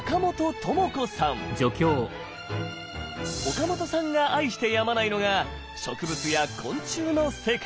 岡本さんが愛してやまないのが植物や昆虫の世界。